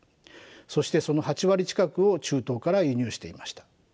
そしてその８割近くを中東から輸入していました。